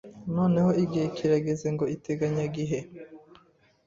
Noneho igihe kirageze ngo iteganyagihe.